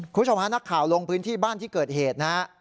คุณผู้ชมฮะนักข่าวลงพื้นที่บ้านที่เกิดเหตุนะฮะ